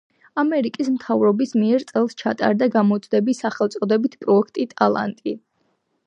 ამერიკის მთავრობის მიერ წელს ჩატარდა გამოცდები სახელწოდებით „პროექტი ტალანტი“.